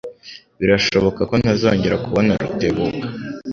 Birashoboka ko ntazongera kubona Rutebuka.